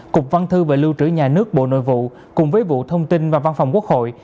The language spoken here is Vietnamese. cục văn thư và lưu trữ nhà nước bộ nội vụ cùng với vụ thông tin và văn phòng quốc hội